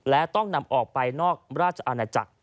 และต้องนำออกไปนอกราชอาณาจักร